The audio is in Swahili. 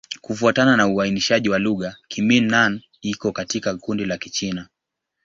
Kufuatana na uainishaji wa lugha, Kimin-Nan iko katika kundi la Kichina.